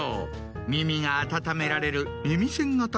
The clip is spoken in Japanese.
耳が温められる耳栓型のグッズ。